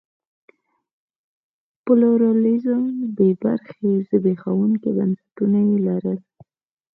پلورالېزم بې برخې زبېښونکي بنسټونه یې لرل.